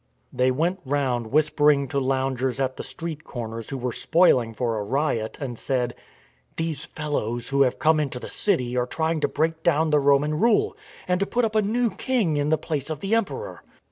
They went round whispering to loungers at the street corners who were spoiling for a riot, and said: " These fellows who have come into the city are trying to break down the Roman rule and to put up a new king in the place of the Emperor."